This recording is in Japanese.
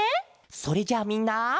それじゃあみんな。